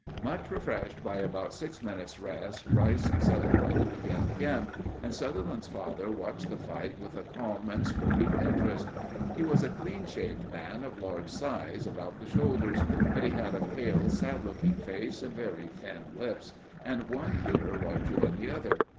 Much refreshed by about six minutes' rest, Rice and Sutherland began again, and Sutherland's father watched the fight with a calm and sporting interest. He was a clean shaved man of large size about the shoulders; but he had a pale, sad looking face and very thin lips, and one ear larger than the other.